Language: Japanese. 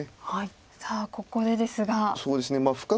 さあここでですが。